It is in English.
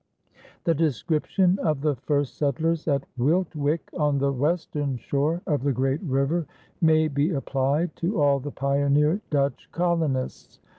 The description of the first settlers at Wiltwyck, on the western shore of the great river, may be applied to all the pioneer Dutch colonists.